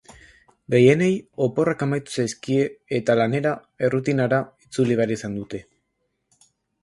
Gehienei oporrak amaitu zaizkie eta lanera, errutinara, itzuli behar izan dute.